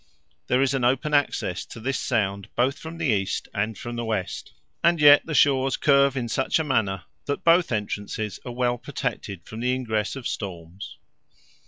There is an open access to this sound both from the east and from the west, and yet the shores curve in such a manner that both entrances are well protected from the ingress of storms.